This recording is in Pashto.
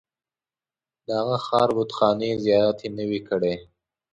د هغه ښار بتخانې زیارت یې نه وي کړی.